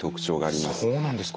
そうなんですか。